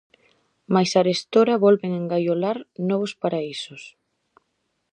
Mais arestora volven engaiolar novos paraísos.